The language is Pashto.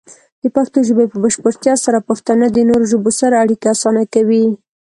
د پښتو ژبې په بشپړتیا سره، پښتانه د نورو ژبو سره اړیکې اسانه کوي.